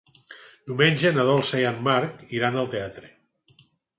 Diumenge na Dolça i en Marc iran al teatre.